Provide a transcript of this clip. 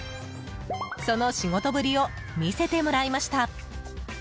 その仕事ぶりを見せてもらいました。